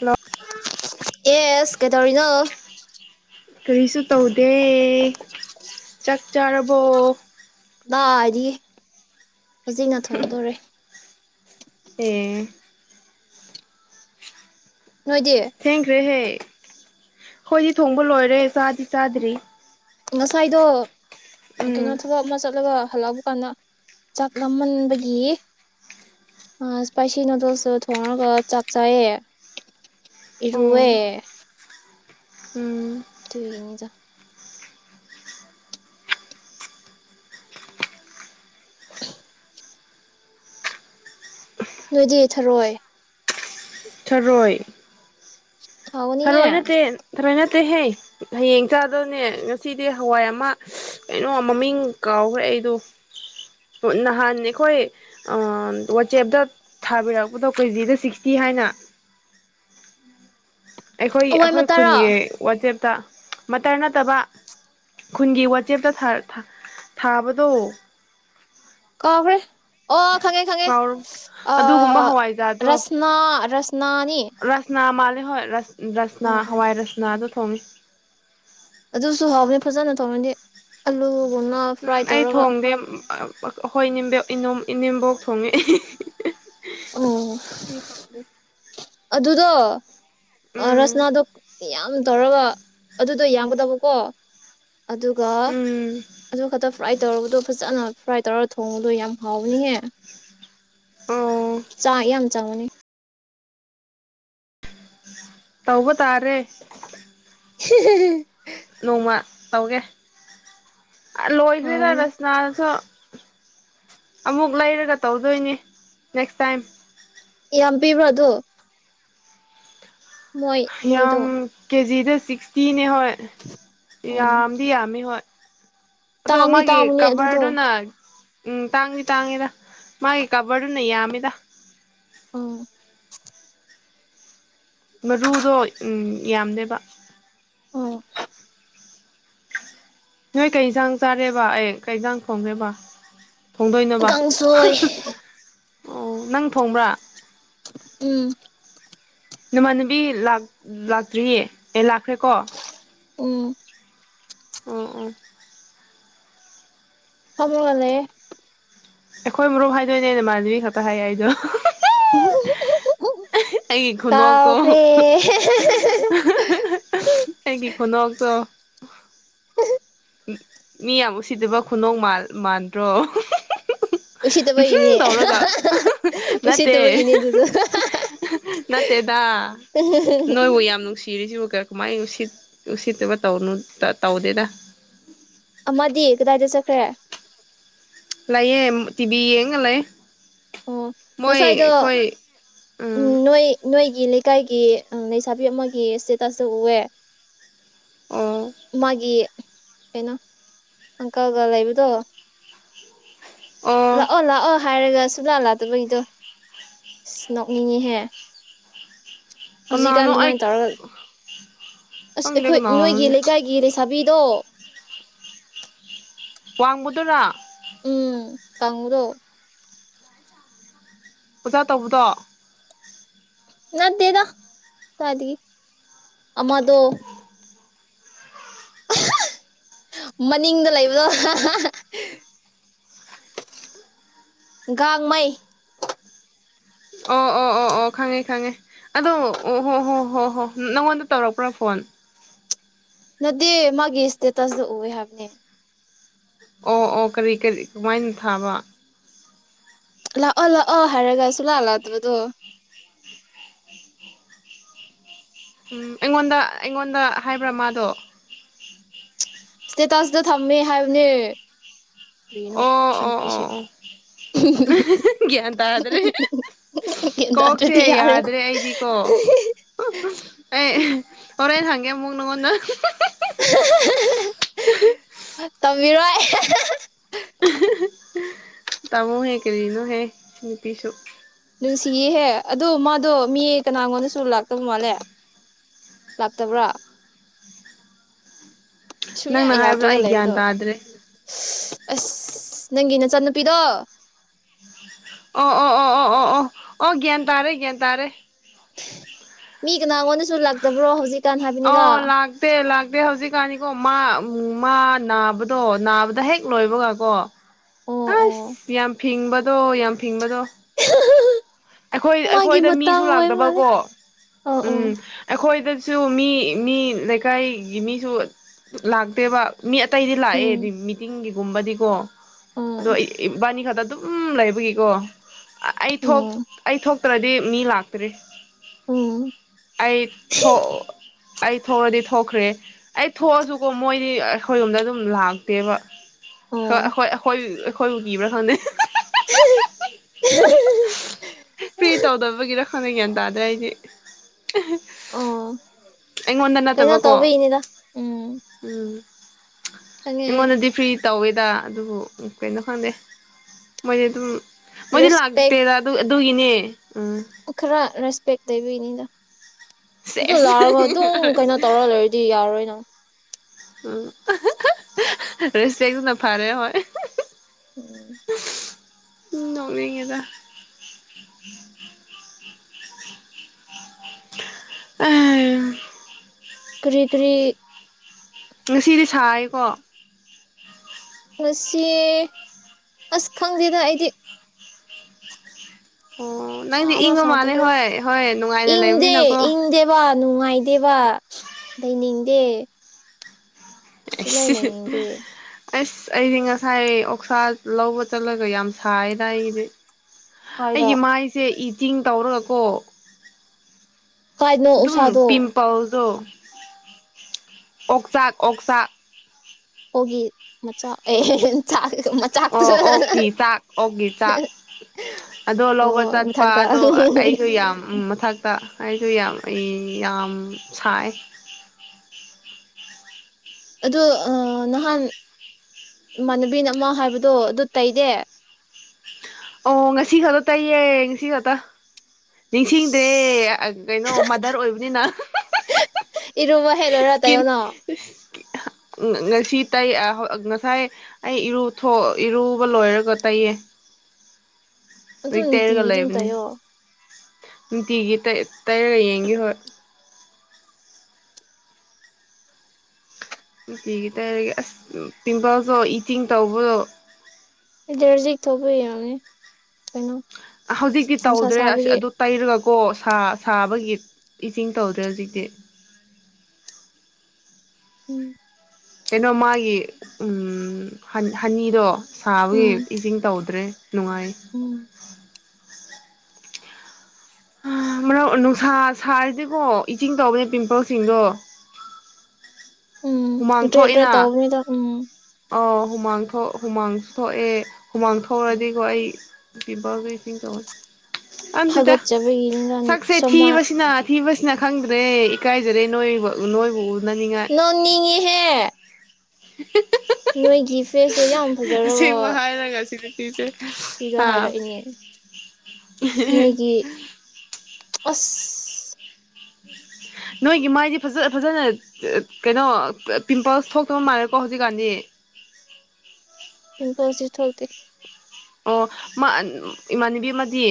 Hello ꯑꯦꯁ ꯀꯩꯗꯧꯔꯤꯅꯣ ꯀꯔꯤꯁꯨ ꯇꯧꯗꯦ ꯆꯥꯛ ꯆꯥꯔꯕꯣ ꯂꯥꯔꯤ ꯍꯧꯖꯤꯛꯅ ꯊꯣꯡꯗꯣꯔꯦ ꯑꯦ ꯅꯣꯏꯗꯤ ꯊꯦꯡꯈ꯭ꯔꯦ ꯍꯦ ꯍꯣꯏꯗꯤ ꯊꯣꯡꯕ ꯂꯣꯏꯔꯦ ꯆꯥꯗꯤ ꯆꯥꯗ꯭ꯔꯤ ꯉꯁꯥꯏꯗꯣ ꯎꯝ ꯀꯩꯅꯣ ꯊꯕꯛ ꯑꯃ ꯆꯠꯂꯒ ꯍꯜꯂꯛꯕ ꯀꯥꯟꯗ ꯆꯥꯛ ꯂꯥꯃꯟꯕꯒꯤ ꯏꯁꯄꯥꯏꯁꯤ ꯅꯨꯗꯜꯁꯇ ꯊꯣꯡꯉꯉꯒ ꯆꯥꯛ ꯆꯥꯏꯌꯦ ꯎꯝ ꯏꯔꯨꯑꯦ ꯗꯨꯢꯅꯤꯗ ꯅꯣꯏꯗꯤ ꯊꯔꯣꯏ ꯊꯔꯣꯏ ꯍꯥꯎꯒꯅꯤꯍꯦ ꯊꯔꯣꯏ ꯅꯠꯇꯦ ꯊꯔꯣꯏꯅ ꯇꯦꯍꯦ ꯍꯌꯦꯡ ꯆꯥꯗꯕꯅꯦ ꯉꯁꯤꯗꯤ ꯍꯋꯥꯏ ꯑꯃ ꯀꯩꯅꯣ ꯃꯃꯤꯡ ꯀꯥꯎꯈ꯭ꯔꯦ ꯑꯩꯗꯣ ꯅꯍꯥꯟ ꯑꯩꯈꯣꯏ ꯋꯥꯆꯦꯞꯇ ꯊꯥꯕꯤꯔꯛꯄꯗꯣ ꯀꯦꯖꯤꯗ ꯁꯤꯛꯁꯇꯤ ꯍꯥꯏꯅ ꯑꯩꯈꯣꯏ ꯍꯋꯥꯏ ꯑꯩꯈꯣꯏ ꯃꯇꯥꯔꯣ ꯈꯨꯟꯒꯤ ꯋꯥꯆꯦꯞ ꯇ ꯃꯇꯔ ꯅꯠꯇꯕ ꯈꯨꯟꯒꯤ ꯋꯥꯆꯦꯞꯇ ꯊꯔꯥ ꯊꯥꯕꯗꯨ ꯀꯥꯎꯈꯔ꯭ꯦ ꯑꯣ ꯈꯪꯉꯦ ꯈꯪꯉꯦ ꯀꯥꯎꯔꯣ ꯑ ꯑꯗꯨꯒꯨꯝꯕ ꯍꯋꯥꯏꯖꯥꯗꯣ ꯔꯁꯅꯥ ꯔꯁ ꯔꯁꯅꯥ ꯃꯥꯜ ꯍꯣꯏ ꯔꯥꯁ ꯔꯁꯅ ꯎꯝ ꯎꯝ ꯍꯋꯥꯏ ꯔꯁꯅ ꯐ [unintelligible] ꯑꯗꯨꯁꯨ ꯍꯥꯎꯅꯤ ꯐꯖꯅ ꯊꯣꯡꯔꯗꯤ ꯑꯂꯨ ꯎꯝ ꯑꯩ ꯊꯣꯡꯗꯦ ꯑꯩꯈꯣꯏ ꯏꯅꯦꯕ ꯏꯅꯤꯡꯦꯝꯕꯣꯛ ꯊꯣꯡꯉꯤ ꯑꯣ ꯑꯗꯨꯗꯣ ꯑ ꯎꯝ ꯔꯁꯅ ꯑꯗꯣ ꯌꯥꯝ ꯇꯧꯔꯒ ꯑꯗꯨꯗꯣ ꯌꯥꯝꯒꯗꯕꯀꯣ ꯑꯗꯨꯒ ꯎꯝ ꯑꯗꯨ ꯈꯛꯇ ꯐ꯭ꯔꯥꯏ ꯇꯧꯔꯕꯗꯣ ꯐꯖꯅ ꯐ꯭ꯔꯥꯏ ꯇꯧꯔ ꯊꯣꯡꯕꯗꯣ ꯌꯥꯝ ꯍꯥꯎꯕꯅꯤꯍꯦ ꯑꯣ ꯆꯥ ꯌꯥꯝ ꯆꯪꯃꯅꯤ ꯇꯧꯕ ꯇꯥꯔꯦ ꯍ [inaudible] ꯅꯣꯡꯃ ꯇꯧꯒꯦ ꯂꯣꯏꯈꯔ꯭ꯦꯗ ꯍꯥꯎꯕꯅꯦ ꯔꯁꯅꯥꯁꯨ ꯑꯃꯨꯛ ꯂꯩꯔꯒ ꯇꯧꯗꯣꯏꯅꯦ ꯅꯦꯛꯁ ꯇꯥꯏꯝ ꯌꯥꯝ ꯄꯤꯕ꯭ꯔꯥꯗꯣ ꯌꯥꯝ ꯃꯣꯏꯗꯣ ꯀꯦꯖꯤ ꯁꯤꯛꯁꯇꯤ ꯅꯦ ꯍꯣꯏ ꯎꯝ ꯌꯥꯝꯗꯤ ꯌꯥꯝꯃꯤ ꯍꯣꯏ ꯑꯗꯣ ꯇꯥꯡꯗꯤ ꯃꯥꯒꯤ ꯇꯥꯡꯕꯅꯦ ꯑꯗꯨꯗꯣ ꯀꯕꯥꯔꯗꯨꯅ ꯎꯝ ꯇꯥꯡꯉꯤ ꯇꯥꯡꯉꯤꯗ ꯃꯥꯒꯤ ꯀꯕꯔꯗꯨꯅ ꯌꯥꯝꯃꯤꯗ ꯑ ꯃꯔꯨꯗꯣ ꯎꯝ ꯌꯥꯝꯗꯦꯕ ꯑꯣ ꯅꯣꯏ ꯀꯩ ꯏꯟꯁꯥꯡ ꯆꯥꯒꯦꯕ ꯑꯩ ꯀꯩ ꯏꯟꯖꯥꯡ ꯊꯣꯡꯒꯦꯕ ꯊꯣꯡꯗꯣꯏꯅꯣꯕ ꯀꯥꯡꯁꯣꯏ ꯑꯣ ꯅꯪ ꯊꫭꯡꯕ꯭ꯔꯥ ꯎꯝ ꯅꯃꯥꯟꯅꯕꯤ ꯂꯥꯛꯇ꯭ꯔꯤꯌꯦ ꯑꯦ ꯂꯥꯛꯈ꯭ꯔꯦꯀꯣ ꯎꯝ ꯑꯣ ꯑꯣ [unintelligible] ꯍꯂꯦ ꯑꯈꯣꯏ ꯃꯔꯨꯞ ꯍꯥꯏꯗꯣꯏꯅꯦ ꯅꯃꯥꯟꯅꯕꯤ ꯈꯛꯇ ꯍꯥꯏꯌꯦ ꯍꯥꯏꯗꯣ [inaudible] ꯈꯨꯅꯣꯛꯇꯣ ꯀꯥꯎꯈ꯭ꯔꯦ ꯑꯩꯒꯤ ꯈꯨꯅꯣꯛꯇꯣ [inaudible] ꯃꯤ ꯌꯥꯝ ꯎ ꯁꯤꯗꯕ ꯈꯨꯅꫭꯛ ꯃꯥꯟꯗ꯭ꯔꯣ ꯎꯁꯤꯠꯇꯕꯒꯤꯅꯦ ꯇꯧꯔꯒ ꯅꯠꯇꯦ ꯎꯁꯤꯠꯇꯕꯒꯤꯅꯦ ꯑꯗꯨꯗꯣ ꯅꯠꯇꯦꯗ ꯅꯣꯏꯕꯨ ꯌꯥꯝ ꯅꯨꯡꯁꯤ ꯆꯤꯔꯤꯁꯤꯕꯨ ꯀ ꯀꯃꯥꯏ ꯎꯁꯤꯠ ꯎꯁꯥꯠꯇꯕ ꯇꯧꯅ ꯇ ꯇꯧꯗꯦꯗꯥ ꯑꯃꯗꯤ ꯀꯗꯥꯏꯗ ꯆꯠꯈ꯭ꯔꯦ ꯑꯩꯌꯦꯝ ꯇꯤ ꯕꯤ ꯌꯦꯡꯉ ꯂꯩ ꯑꯣ ꯃꯣꯏ ꯉꯁꯥꯏꯗ ꯑꯩꯈꯣꯏ ꯎꯝ ꯅꯣꯏ ꯅꯣꯏꯒꯤ ꯂꯩ ꯂꯩꯀꯥꯏꯒꯤ ꯑ ꯂꯩꯁꯥꯕꯤ ꯑꯃꯒꯤ ꯁ꯭ꯇꯦꯇꯁꯇ ꯎꯑꯦ ꯑꯣ ꯃꯥꯒꯤ ꯀꯩꯅꯣ ꯑꯪꯀꯜꯒ ꯂꯩꯕꯗꯣ ꯑꯣ ꯂꯥꯛꯑꯣ ꯂꯥꯛꯑꯣ ꯍꯥꯏꯔꯒ ꯁꯨꯡꯂꯥꯛ ꯂꯥꯛꯗꯕꯒꯤꯗꯣ ꯁ ꯅꯣꯛꯅꯤꯡꯉꯤꯍꯦ ꯍꯧꯖꯤꯛꯀꯥꯟ ꯀꯅꯥꯅꯣ ꯑꯩ ꯑꯗꯨꯃꯥꯏꯅ ꯇꯧꯔ ꯑꯁ ꯈꯪꯗꯦ ꯑꯈꯣꯏ ꯅꯣꯏꯒꯤ ꯀꯅꯥꯅꯣꯅꯦ ꯂꯩꯀꯥꯏꯒꯤ ꯂꯩꯁꯥꯕꯤꯗꯣ ꯋꯥꯡꯕꯗꯨꯔꫭ ꯎꯝ ꯀꯪꯕꯗꯣ ꯑꯣꯖꯥ ꯇꯧꯕꯗꯣ ꯅꯠꯗꯦꯗ ꯀꯗꯥꯏꯗꯒꯤ ꯑꯃꯗꯣ ꯃꯅꯤꯡꯗ ꯂꯩꯕꯗꯣ ꯒꯥꯡꯃꯩ ꯑꯣ ꯑꯣ ꯑꯣ ꯑꯣ ꯈꯪꯉꯦ ꯈꯪꯉꯦ ꯑꯗꯣ ꯑꯣ ꯍꯣ ꯍꯣ ꯍꯣ ꯍꯣ ꯅꯪꯉꯣꯟꯗ ꯇꯧꯔꯛꯄ꯭ꯔꯥ ꯐꯣꯟ ꯅꯠꯗꯦ ꯃꯥꯒꯤ ꯁ꯭ꯇꯦꯇꯁꯗ ꯎꯋꯦ ꯍꯥꯏꯕꯅꯦ ꯑꯣ ꯑꯣ ꯀꯔꯤ ꯀꯔꯤ ꯀꯃꯥꯏꯅ ꯊꯥꯕ ꯂꯥꯛꯑꯣ ꯂꯥꯛꯑꯣ ꯍꯥꯏꯔꯒ ꯁꯨꯂꯥꯛꯑꯣ ꯂꯥꯛꯇꯕꯗꯣ ꯎꯝ ꯑꯩꯉꯣꯟꯗ ꯑꯩꯉꯣꯟꯗ ꯍꯥꯏꯕ꯭ꯔꯥ ꯃꯥꯗꯣ ꯁ꯭ꯇꯦꯇꯁꯇ ꯊꯝꯃꯦ ꯍꯥꯏꯕꯅꯦ ꯀꯔꯤꯅꯣ ꯑꯣ ꯁꯤ ꯑꯣ ꯅꯨꯄꯤꯁꯦ ꯑꯣ ꯒ꯭ꯌꯥꯟ ꯇꯥꯗ꯭ꯔꯦ ꯀꯣꯛꯁꯦ ꯒ꯭ꯌꯥꯟꯇꯥꯗ꯭ꯔꯗꯤ ꯌꯥꯔꯦ ꯌꯥꯗ꯭ꯔꯦ ꯑꯩꯗꯤꯀꯣ ꯑꯩ ꯍꯣꯔꯦꯟ ꯍꯪꯒꯦ ꯑꯃꯨꯛ ꯅꯉꯣꯟꯗ [inaudible] ꯕꯤꯔꯣꯏ ꯑꯍꯍꯍ ꯑꯍꯍꯍ ꯇꯥꯃꯣ ꯍꯦꯛ ꯀꯔꯤꯅꯣ ꯍꯦ ꯃꯤ ꯄꯤꯁꯨ ꯅꯨꯡꯁꯤꯌꯦꯍꯦ ꯑꯗꯣ ꯃꯥꯗꯣ ꯃꯤ ꯀꯅꯥꯒꯣꯟꯗꯁꯨ ꯂꯥꯛ ꯇꯃꯥꯂꯦ ꯂꯥꯛꯇꯕ꯭ꯔꯥ ꯁꯨꯡꯌꯥ ꯅꯪꯅ ꯍꯥꯏꯕꯗꯣ ꯌꯥꯗ꯭ꯔꯒ ꯑꯩ ꯒ꯭ꯌꯥꯟ ꯂꯩꯕꯗꯣ ꯇꯥꯗ꯭ꯔꯦ ꯏꯁꯁ ꯑꯁ ꯅꯪꯒꯤ ꯅꯆꯥꯟꯅꯨꯄꯤꯗꯣ ꯑꯣ ꯑꯣ ꯑꯣ ꯑꯣ ꯑꯣ ꯑꯣ ꯑꯣ ꯒꯌ꯭ꯥꯟ ꯇꯥꯔꯦ ꯒꯌ꯭ꯥꯟ ꯇꯥꯔꯦ ꯃꯤ ꯀꯟꯅꯥ ꯉꯣꯟꯗ ꯑꯣ ꯂꯥꯛ ꯗꯦ ꯂꯥꯛ ꯗꯦ ꯍꯧꯖꯤꯛ ꯀꯅꯤ ꯀꯣ ꯃꯥ ꯃꯥ ꯅꯥꯕꯗꯣ ꯅꯥꯕꯗ ꯍꯦꯛ ꯂꯣꯏꯕꯒꯀꯣ ꯑꯣ ꯑꯣ ꯑꯁ ꯌꯥꯝ ꯐꯤꯡꯕꯗꯣ ꯌꯥꯝ ꯐꯤꯡꯕꯗꯣ ꯑꯩꯈꯣꯏ ꯃꯥꯒꯤ ꯑꯩꯈꯣꯏꯗ ꯃꯤꯁꯨ ꯃꯇꯥꯡ ꯑꯣꯏ ꯃꯥꯜꯂꯦ ꯂꯥꯛꯇꯕꯀꯣ ꯑꯣ ꯑꯣ ꯎꯝ ꯑꯩꯈꯣꯏꯗꯁꯨ ꯃꯤ ꯃꯤ ꯂꯩꯀꯥꯏꯒꯤ ꯃꯤꯁꯨ ꯂꯥꯛꯇꯦꯕ ꯃꯤ ꯑꯇꯩꯗꯤ ꯂꯥꯛꯑꯦꯗꯤ ꯎꯝ ꯃꯤꯇꯤꯡꯒꯤ ꯒꯨꯝꯕꯅꯤꯀꯣ ꯑꯗꯣ ꯎꯝ ꯑꯩ ꯏꯕꯥꯅꯤ ꯈꯠꯇ ꯑꯗꯨꯝ ꯂꯩꯕꯒꯤꯀꯣ ꯑꯩꯊꯣꯛ ꯎꯝ ꯑꯩꯊꯣꯛ ꯇ꯭ꯔꯗꯤ ꯃꯤ ꯂꯥꯛꯇ꯭ꯔꯤ ꯎꯝ ꯑꯩ ꯊꯣꯛ ꯑꯩ ꯊꯣꯛꯑꯗꯤ ꯊꯣꯛꯈ꯭ꯔꯦ ꯑꯩ ꯊꯣꯛꯑꯖꯨꯀꯣ ꯃꯣꯏꯗꯤ ꯑꯩꯈꯣꯏꯔꯣꯝꯗ ꯑꯗꯨꯝ ꯂꯥꯛꯇꯦꯕ ꯍ ꯎꯝ ꯑꯩꯈꯣꯏ ꯑꯩꯈꯣꯏ ꯑꯩꯈꯣꯏꯕꯨ ꯀꯤꯕ꯭ꯔꯥ ꯈꯪꯗꯦ ꯐꯤ ꯇꯧꯗꯕꯒꯤꯔꯣ ꯈꯪꯗꯦ ꯒ꯭ꯌꯥꯟ ꯇꯥꯗ꯭ꯔꯦ ꯑꯩꯗꯤ ꯑꯣ ꯑꯩꯉꯣꯟꯗ ꯀꯩꯅꯣ ꯅꯠꯇꯕꯀꯣ ꯇꯧꯕꯤ ꯏꯅꯦꯗ ꯎꯝ ꯈꯪꯉꯦ ꯑꯩ ꯔꯤꯑꯣꯡꯗꯗꯤ ꯐ꯭ꯔꯤ ꯇꯧꯋꯦꯗ ꯑꯗꯨꯕꯨ ꯀꯩꯅꯣ ꯈꯪꯗꯦ ꯃꯣꯏꯗꯤ ꯑꯗꯨꯝ ꯃꯣꯏꯗꯤ ꯂꯛꯇꯦꯗꯥ ꯑꯗ ꯇꯨꯒꯤꯅꯦ ꯎꯈꯔ ꯔꯁ ꯄꯦꯛꯀꯇꯕꯤꯅꯤꯗ ꯑꯗꯨ ꯁꯦꯁ ꯂꯥꯛꯔꯕ ꯑꯗꯨꯝ ꯀꯩꯅꯣ ꯇꯧꯔ ꯂꯩꯏꯔꯗꯤ ꯌꯥꯔꯣꯏꯗ ꯎꯝ ꯔꯁ ꯅ ꯐꯥꯔꯦ ꯍꯣꯏ ꯍꯨꯝ ꯅꯣꯛꯅꯤꯡꯏꯗ ꯑꯥꯝ꯫ ꯀ꯭ꯔꯤ ꯀ꯭ꯔꯤ꯫ ꯉꯁꯤꯗꯤ ꯁꯥꯏꯀꯣ꯫ ꯉꯥꯁꯤ ꯑꯁ ꯈꯪꯗꯦꯗ ꯑꯩꯗꯤ꯫ ꯑꯣ ꯅꯪꯗꯤ ꯁꯥꯕ꯭ꯔꯥ ꯏꯪꯉ ꯃꯥꯜꯂꯦ ꯁꯥꯗꯕ꯭ꯔꯥ ꯍꯣꯏ ꯍꯣꯏ ꯅꯨꯡꯉꯥꯏꯅ ꯏꯪꯗꯦ ꯂꯩꯕꯅꯤꯅꯀꯣ꯫ ꯏꯪꯗꯦꯕ ꯅꯨꯡꯉꯥꯏꯗꯦꯕ ꯂꯩꯅꯤꯡꯗꯦ꯫ ꯁꯨꯛꯂꯩ ꯑꯁꯍ ꯂꯩꯅꯤꯡꯗꯦ ꯑꯁ ꯑꯩꯗꯤ ꯉꯁꯥꯏ ꯑꯣꯛꯁꯥ ꯂꯧꯕ ꯆꯠꯂꯒ ꯌꯥꯝ ꯁꯥꯏꯗꯥ ꯑꯩꯗꯤ꯫ ꯀꯥꯏꯗ ꯑꯩꯒꯤ ꯃꯥꯏꯁꯦ ꯏ ꯇꯤꯡ ꯇꯧꯔꯒꯀꯣ ꯀꯥꯏꯗꯅꯣ ꯗꯨꯝ ꯎꯁꯥꯗꯣ ꯄꯤꯝꯄꯜꯗꯣ ꯑꯣꯛꯆꯥꯛ ꯑꯣꯛꯆꯥꯛ ꯑꯣꯒꯤ ꯃꯆꯥ ꯑꯍꯦꯟ ꯑꯣ ꯑꯣꯛꯀꯤ ꯆꯥꯛ ꯑꯣꯛꯀꯤ ꯆꯥꯛ ꯑꯗꯣ ꯂꯧꯕ ꯑꯣ ꯆꯠꯄ ꯃꯊꯛꯇ ꯑꯗꯣ ꯑꯩꯁꯨ ꯌꯥꯝ ꯃꯊꯛ ꯇ ꯑꯩꯗꯨ ꯌꯥꯝ ꯌꯥꯝ ꯁꯥꯏ ꯑꯗꯨ ꯑꯥ ꯅꯥꯍꯟ ꯏꯃꯥꯟꯅꯕꯤꯅꯥ ꯑꯃ ꯍꯥꯏꯕꯗꯣ ꯑꯗꯨ ꯇꯩꯗꯦ ꯑꯣ ꯉꯁꯤ ꯈꯇꯥ ꯇꯩꯌꯦ ꯉꯁꯤ ꯈꯇꯥ ꯅꯤꯡꯁꯤꯡꯗꯦ ꯀꯩꯅꯣ ꯃꯥꯗꯔ ꯑꯣꯏꯕꯅꯤꯅ ꯏꯔꯨꯕ ꯍꯦꯛ ꯂꯣꯏꯔ ꯏꯁꯀꯤꯟ ꯇꯩꯌꯣꯅ ꯏꯁ ꯉꯁꯤ ꯇꯩ ꯍꯥ ꯉꯁꯥꯏ ꯑꯩ ꯏꯔꯨꯊꯣꯛ ꯏꯔꯨꯕ ꯂꯣꯏꯔꯒ ꯇꯩꯌꯦ ꯂꯣꯏ ꯑꯗꯨꯝ ꯇꯩꯔꯒ ꯅꯨꯡꯇꯤꯒꯤ ꯑꯗꯨꯝ ꯂꯩꯕꯅꯦ ꯇꯩꯌꯣ ꯅꯨꯡꯇꯤꯒꯤ ꯇꯩ ꯇꯩꯔꯒ ꯌꯦꯡꯒꯦ ꯍꯣꯏ ꯅꯨꯡꯇꯤꯒꯤ ꯇꯩꯔꯒ ꯑꯁ ꯄꯤꯝꯄꯜꯗꯣ ꯏꯇꯤꯡ ꯇꯧꯕꯗꯣ ꯗꯔꯖꯤꯛ ꯊꯣꯛꯄꯩ [inaudible] ꯀꯩꯅꯣ ꯍꯧꯖꯤꯛꯇꯤ ꯅꯨꯡꯁꯥ ꯇꯧꯗ꯭ꯔꯦ ꯑꯁꯤ ꯁꯥꯕꯒꯤ ꯑꯗꯨ ꯇꯩꯔꯒ ꯀꯣ ꯁꯥ ꯁꯥꯕꯒꯤ ꯏꯁꯤꯡ ꯇꯧꯗ꯭ꯔꯦ ꯍꯧꯖꯤꯛꯇꯤ ꯎꯝ ꯀꯩꯅꯣ ꯃꯥꯒꯤ ꯎꯝ ꯍꯟ ꯍꯟꯅꯤꯗꯣ ꯁꯥꯕꯒꯤ ꯎꯝ ꯏꯖꯤꯡ ꯇꯧꯗ꯭ꯔꯦ ꯅꯨꯡꯉꯥꯏ ꯎꯝ ꯍꯥ ꯃꯔꯛ ꯅꯨꯡꯁꯥ ꯁꯥꯔꯤꯁꯤꯀꯣ ꯏꯇꯤꯡ ꯇꯧꯑꯦ ꯄꯤꯝꯄꯜꯁꯤꯡꯗꯣ ꯍꯨꯃꯥꯡ ꯊꯣꯛꯑꯦꯅ [unintelligible] ꯑꯧ ꯍꯨꯃꯥꯡ ꯊꯣꯛ ꯍꯨꯃꯥꯡ ꯊꯣꯛꯑꯦ ꯍꯨꯃꯥꯡ ꯊꯣꯛꯔꯗꯤꯀꯣ ꯑꯩ ꯄꯤꯝ ꯄꯔꯒ ꯏꯇꯤꯡ [unintelligible] [unintelligible] ꯍꯥꯒꯠꯆꯕꯒꯤꯅꯤꯅ ꯁꯛꯁꯦ ꯁꯝꯃꯔ ꯊꯤꯕꯁꯤꯅ ꯊꯤꯕꯁꯤꯅ ꯈꯪꯗ꯭ꯔꯦ ꯏꯀꯥꯏꯖꯔꯦ ꯅꯣꯏ ꯅꯣꯏꯕꯨ ꯎꯅꯅꯤꯡꯉꯥꯏ ꯅꯣꯅꯤꯡꯉꯤꯍꯦ ꯅꯣꯏꯒꯤ ꯐꯦꯁꯇꯨ ꯌꯥꯝ ꯐꯖꯔꯕ ꯄꯤꯖꯦ ꯁꯤꯗꯣ ꯍꯥꯏꯔꯛꯏꯅꯦ ꯅꯣꯏꯒꯤ ꯑꯁ ꯅꯣꯏꯒꯤ ꯃꯥꯏꯗꯤ ꯐꯖ ꯐꯖꯅ ꯀꯩꯅꯣ ꯄꯤꯝꯄꯜꯁ ꯊꯣꯛꯇꯕ ꯃꯥꯜꯂꯦꯀꯣ ꯍꯧꯖꯤꯛꯀꯥꯟꯗꯤ ꯄꯤꯝꯄꯜꯁꯇꯤ ꯊꯣꯛꯇꯦ ꯑꯣ ꯃꯥ ꯏꯃꯥꯟꯅꯕꯤ ꯑꯃꯗꯤ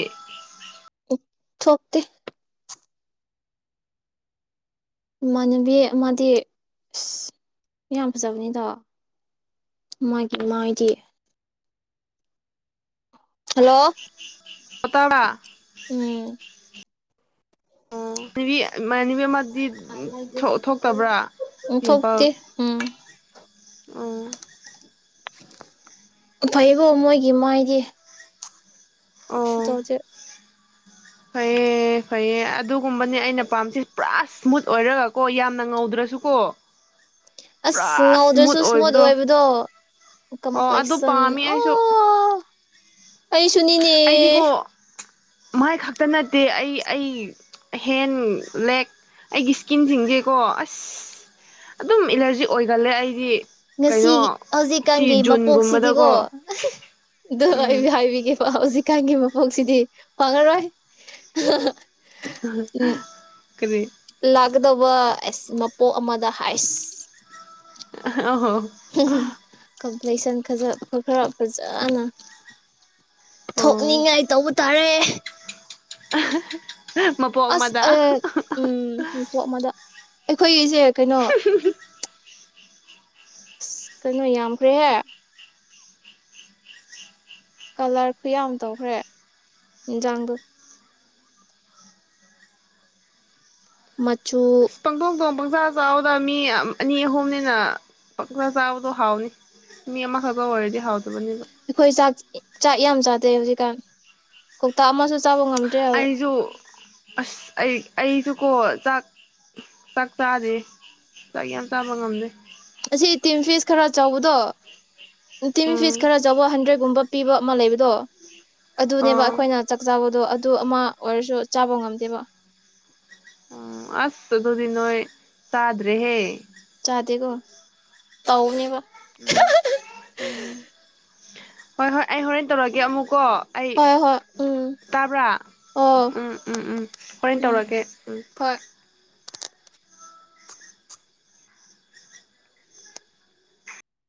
ꯊꯣꯛꯇꯦ ꯏꯃꯥꯟꯅꯕꯤ ꯑꯃꯗꯤ ꯑꯁ ꯌꯥꯝ ꯐꯖꯕꯅꯤꯗꯥ ꯃꯥꯒꯤ ꯃꯥꯏꯗꯤ ꯍꯜꯂꯣ ꯄꯇꯥꯔ ꯎꯝ ꯑꯣ ꯕꯦꯕꯤ ꯑꯝ ꯏꯃꯥꯟꯅꯕꯤ ꯑꯃꯗꯤ ꯊꯣꯛꯇꯕ꯭ꯔꯥ ꯎꯝ ꯄꯤꯝꯄꯜ ꯊꯣꯛꯇꯦ ꯎꯝ ꯑꯣ ꯐꯩꯒꯣ ꯃꯣꯏꯒꯤ ꯃꯥꯏꯗꯤ ꯁꯇꯣꯖꯦ ꯐꯩꯑꯌꯦ ꯐꯩꯌꯦꯦ ꯑꯗꯨꯒꯨꯝꯕꯅꯦ ꯑꯩꯅ ꯄꯥꯝꯁꯤ ꯄꯨꯔꯥ ꯏꯁꯃꯨꯠ ꯑꯣꯏꯔꯒꯀꯣ ꯌꯥꯝꯅ ꯉꯧꯗ꯭ꯔꯁꯨꯀꯣ ꯄꯨꯔꯥ ꯑꯁ ꯉꯧꯗ꯭ꯔꯁꯨ ꯁ꯭ꯃꯨꯠ ꯏꯁꯃꯨꯠ ꯑꯣꯏꯕꯗꯣ ꯑꯣ ꯑꯗꯨ ꯀꯝꯄ꯭ꯂꯦꯛꯁꯟ ꯄꯥꯝꯃꯤ ꯑꯩꯁꯨ ꯑꯣ ꯑꯩꯁꯨꯅꯤꯅꯦ ꯑꯩꯗꯤꯀꯣ ꯃꯥꯏ ꯈꯛꯇ ꯅꯠꯇꯦ ꯑꯩ ꯑꯩ ꯍꯦꯟ ꯂꯦꯛ ꯑꯩꯒꯤ ꯏꯁꯀꯤꯟꯁꯤꯡꯁꯦꯀꯣ ꯑꯁ ꯑꯗꯨꯝ ꯑꯦꯂꯔꯖꯤ ꯑꯣꯏꯒꯜꯂꯦ ꯑꯩꯗꯤ ꯉꯁꯤ ꯀꯩꯅꯣ ꯁꯤ ꯍꯧꯖꯤꯛꯀꯥꯟꯒꯤ ꯃꯄꯣꯛꯁꯤꯗꯤꯀꯣ ꯖꯨꯟꯒꯨꯝꯕꯗꯀꯣ ꯑꯗꯨ ꯎꯝ ꯑꯩ ꯍꯥꯏꯕꯤꯒꯦ ꯍꯧꯖꯤꯛꯀꯥꯟꯒꯤ ꯃꯄꯣꯛꯁꯤꯗꯤ ꯋꯥꯡꯉꯔꯣꯏ ꯀꯔꯤ ꯀꯀꯗꯧꯕ ꯑꯁ ꯃꯄꯣꯛ ꯑꯃꯗ ꯍꯥꯏꯁ ꯎ ꯍ ꯀ ꯂꯁꯟ ꯈꯖ ꯈꯔ ꯐꯖꯅ ꯑꯣ ꯊꯣꯛꯅꯤꯡꯉꯥꯏ ꯇꯧꯕ ꯇꯥꯔꯦ [inaudible] ꯑꯁ ꯑ ꯎꯝ ꯃꯗ ꯑꯩꯈꯣꯏꯒꯤꯁꯦ ꯀꯩꯅꯣ ꯑꯁ ꯀꯩꯅꯣ ꯌꯥꯝꯈ꯭ꯔꯦꯍꯦ ꯀꯂꯔ ꯈꯨꯌꯥꯝ ꯇꯧꯈ꯭ꯔꯦ ꯌꯦꯟꯖꯥꯡꯗꯣ ꯃꯆꯨ꯫ ꯄꯪꯗꯣꯡ ꯊꯣꯡ ꯄꯪꯆꯥ ꯆꯥꯑꯣꯗ ꯃꯤ ꯑꯅꯤ ꯑꯍꯨꯝꯅꯤꯅ ꯄꯪꯆꯥ ꯆꯥꯕꯗꯣ ꯍꯥꯎꯅꯤ ꯃꯤ ꯑꯃꯈꯛꯇ ꯑꯣꯏꯔꯗꯤ ꯍꯥꯎꯗꯦ꯫ ꯑꯩꯈꯣꯏ ꯆꯥꯛ ꯆꯥꯛ ꯌꯥꯝ ꯆꯥꯗꯦ ꯍꯧꯖꯤꯛ꯫ ꯀꯣꯛꯇꯥ ꯑꯃꯁꯨ ꯆꯥꯕ ꯉꯝꯗ꯭ꯔꯦ ꯑꯩꯁꯨ ꯑꯁ ꯑꯩ ꯑꯩꯁꯨ꯫ ꯀꯣ ꯆꯥꯛ ꯆꯥꯛ ꯆꯥꯗꯦ ꯆꯥꯛ ꯌꯥꯝ ꯆꯥꯕ ꯉꯝꯗꯦ꯫ ꯑꯁꯤ ꯇꯤꯝ ꯐꯤꯁ ꯈꯔ ꯆꯧꯕꯗꯣ꯫ ꯇꯥꯝ ꯎꯝ ꯐꯤꯁ ꯈꯔ ꯆꯥꯎꯕ ꯍꯟꯗ꯭ꯔꯦꯠꯒꯨꯝꯕ꯫ ꯄꯤꯕ ꯑꯃ ꯂꯩꯕꯗꯣ꯫ ꯑꯗꯨꯅꯦꯕ ꯑꯥ ꯑꯩꯈꯣꯏꯅ ꯆꯥꯛ ꯆꯥꯕ꯫ ꯑꯗꯨ ꯑꯃ ꯑꯣꯏꯔꯁꯨ ꯆꯥꯕ ꯉꯝꯗꯦꯕ꯫ ꯑ ꯑꯁ ꯑꯗꯨꯗꯤ ꯅꯣꯏ ꯆꯥꯗ꯭ꯔꯦ ꯍꯦ꯫ [unintelligible] ꯇꯧꯅꯦꯕ꯫ ꯎꯝ ꯎꯝ ꯍꯣꯏ ꯍꯣꯏ ꯑꯩ ꯍꯣꯔꯦꯟ ꯇꯧꯔꯒꯦ ꯑꯃꯨꯛꯀꯣ꯫ ꯑꯩ ꯍꯣꯏ ꯍꯣꯏ ꯎꯝ ꯇꯥꯕ꯭ꯔꯥ ꯑꯣ ꯎꯝ ꯎꯝ ꯎꯝ ꯍꯣꯔꯦꯟ ꯎꯝ ꯇꯧꯔꯛꯒꯦ ꯎꯝ꯫ ꯍꯣꯏ